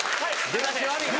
出だし悪いな。